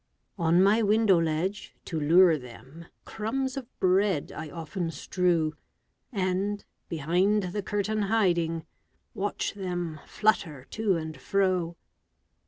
On my window ledge, to lure them, Crumbs of bread I often strew, And, behind the curtain hiding, Watch them flutter to and fro.